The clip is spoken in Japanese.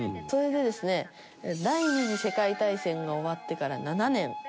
それでですね、第２次世界大戦が終わってから７年。